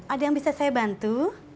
ada yang bisa saya bantu